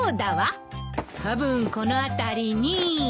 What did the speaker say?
たぶんこの辺りに。